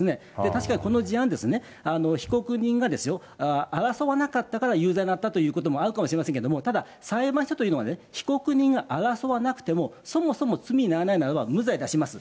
確かにこの事案、被告人が争わなかったから有罪になったということもあるかもしれませんけれども、ただ、裁判所というのは、被告人が争わなくても、そもそも罪にならないのならば無罪出します。